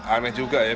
aneh juga ya